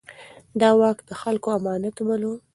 ده واک د خلکو امانت باله.